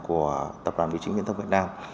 của tập đoàn bị trí nguyên thông việt nam